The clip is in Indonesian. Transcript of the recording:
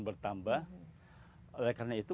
bertambah oleh karena itu